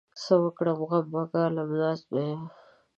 څه وکړم؟! غم به ګالم؛ ناست به يم.